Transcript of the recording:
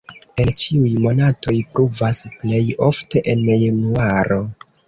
En ĉiuj monatoj pluvas, plej ofte en januaro.